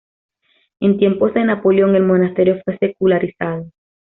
En tiempos de Napoleón el monasterio fue secularizado.